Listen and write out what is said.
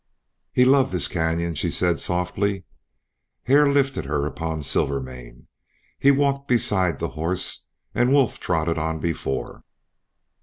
"He loved this canyon," she said, softly. Hare lifted her upon Silvermane. He walked beside the horse and Wolf trotted on before.